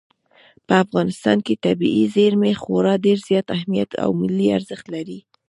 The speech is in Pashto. په افغانستان کې طبیعي زیرمې خورا ډېر زیات اهمیت او ملي ارزښت لري.